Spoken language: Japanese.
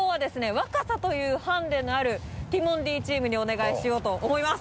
若さというハンデのあるティモンディチームにお願いしようと思います。